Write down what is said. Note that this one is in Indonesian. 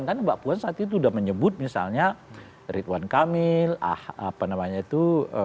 kan mbak puan saat itu sudah menyebut misalnya ridwan kamil apa namanya itu